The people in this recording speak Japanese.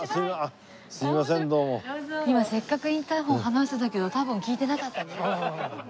今せっかくインターホン話してたけど多分聞いてなかったね。